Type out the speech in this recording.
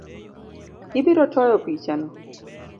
Ibirotoyo pichano